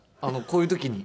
こういう時に。